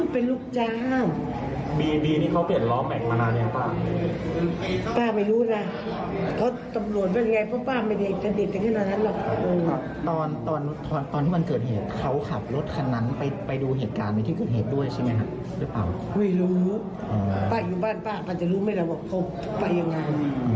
ป้าอยู่บ้านป้าป้าจะรู้ไม่ได้ว่าเขาไปยังไง